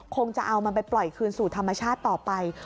คงจะเอามันไปปล่อยคืนสู่ธรรมชาติต่อไป